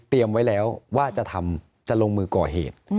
เตรียมไว้แล้วว่าจะลงมือก่อเหตุ